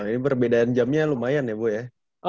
ini perbedaan jamnya lumayan ya bu ya